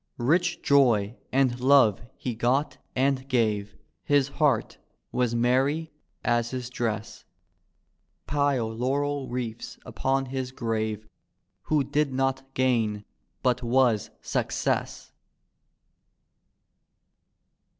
Rich joy and love he got and gave; His heart was meny as his dress; Pile laurel wreaths upon his grave Who did not gain, but was, success!